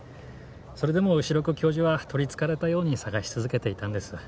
それでも後宮教授は取りつかれたように探し続けていたんです。